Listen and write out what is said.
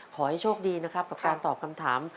ขอให้โชคดีนะครับกับการตอบคำถาม